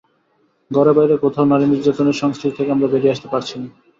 ঘরে–বাইরে কোথাও নারী নির্যাতনের সংস্কৃতি থেকে আমরা বেরিয়ে আসতে পারছি না।